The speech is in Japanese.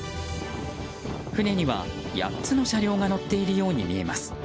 船には８つの車両が乗っているように見えます。